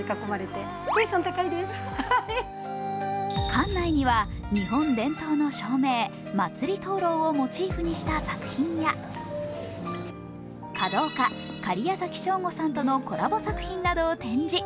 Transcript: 館内には、日本伝統の照明、祭り灯籠をモチーフにした作品や華道家・假屋崎省吾さんとのコラボ作品を展示。